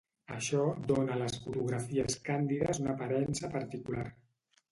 Això dóna a les fotografies càndides una aparença particular.